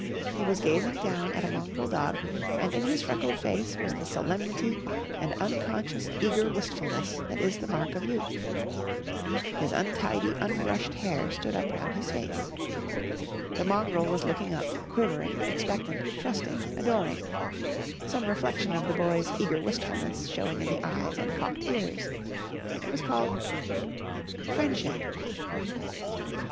He was gazing down at a mongrel dog and in his freckled face was the solemnity and unconscious, eager wistfulness that is the mark of youth. His untidy, unbrushed hair stood up round his face. The mongrel was looking up, quivering, expectant, trusting, adoring, some reflection of the boy's eager wistfulness showing in the eyes and cocked ears. It was called "Friendship."